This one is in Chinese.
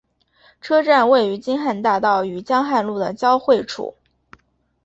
车站位于京汉大道与江汉路的交汇处。